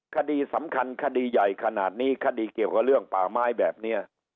คดีสำคัญคดีใหญ่ขนาดนี้คดีเกี่ยวกับเรื่องป่าไม้แบบนี้